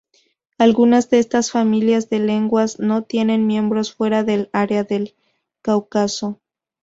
Algunas de estas familias de lenguas no tienen miembros fuera del área del Cáucaso.